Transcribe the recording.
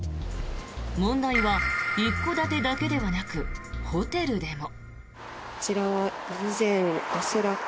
問題は一戸建てだけではなくホテルでも。